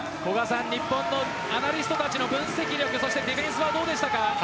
日本のアナリストたちの分析力ディフェンスはどうでしたか？